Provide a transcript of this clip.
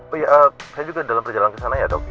oh iya saya juga dalam perjalanan kesana ya dok